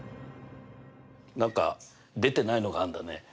何か出てないのがあんだね。